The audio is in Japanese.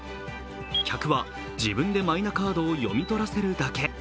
客は自分でマイナカードを読み取らせるだけ。